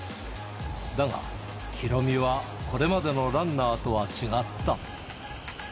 だが、ヒロミはこれまでのランナーとは違った。